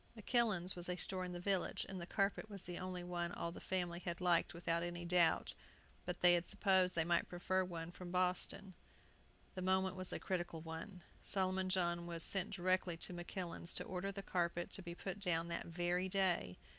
"Makillan's" was a store in the village, and the carpet was the only one all the family had liked without any doubt; but they had supposed they might prefer one from Boston. The moment was a critical one. Solomon John was sent directly to Makillan's to order the carpet to be put down that very day.